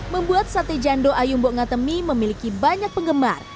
membuat sate jandul ayumbo ngatemi memiliki banyak penggemar